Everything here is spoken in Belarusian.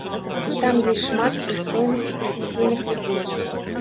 І там ёсць шмат прыстойных і прафесійных людзей.